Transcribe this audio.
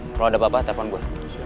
kalau ada apa apa telepon gue